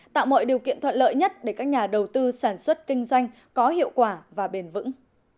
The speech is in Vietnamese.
tạo mọi điều kiện thuận lợi nhất để các nhà đầu tư sản xuất kinh doanh có hiệu quả và bền vững